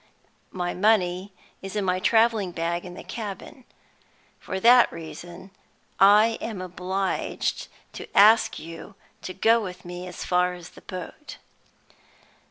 My money is in my traveling bag in the cabin. For that reason, I am obliged to ask you to go with me as far as the boat."